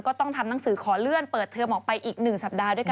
ต้องทำหนังสือขอเลื่อนเปิดเทอมออกไปอีก๑สัปดาห์ด้วยกัน